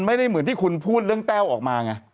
ไม่ได้เหมือนที่คุณพูดเรื่องแต้วออกมาไง